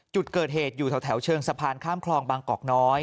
จุดเกิดเหตุอยู่แถวเชิงสะพานข้ามคลองบางกอกน้อย